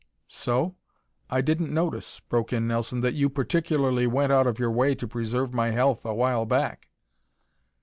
"So? I didn't notice," broke in Nelson, "that you particularly went out of your way to preserve my health a while back."